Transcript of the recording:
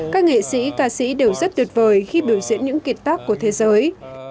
các nghệ sĩ ca sĩ đều rất tuyệt vời khi biểu diễn những kiệt tác của thế giới